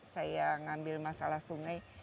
saya ngambil masalah sungai